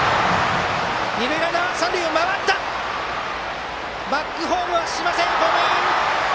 二塁ランナーは三塁を回ったがバックホームはしませんホームイン！